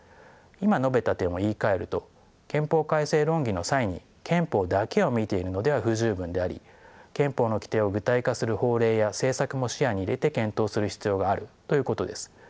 今述べた点を言いかえると憲法改正論議の際に憲法だけを見ているのでは不十分であり憲法の規定を具体化する法令や政策も視野に入れて検討する必要があるということです。